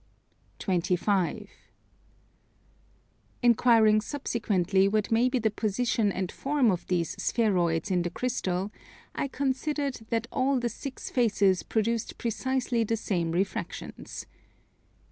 25. Inquiring subsequently what might be the position and form of these spheroids in the crystal, I considered that all the six faces produced precisely the same refractions.